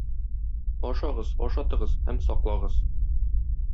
Ашагыз, ашатыгыз һәм саклагыз